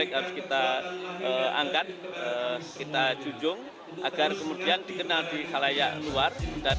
jadi harus kita angkat kita cujung agar kemudian dikenal di halaya luar